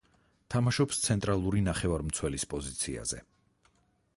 თამაშობს ცენტრალური ნახევარმცველის პოზიციაზე.